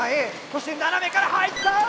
そして斜めから入った！